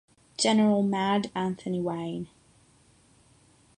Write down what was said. General "Mad" Anthony Wayne.